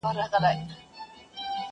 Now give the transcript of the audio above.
o ښه په پښه نه پيداکېږي!